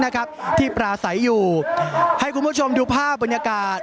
นะครับที่ปลาไสอยู่ให้คุณผู้ชมดูภาพจาก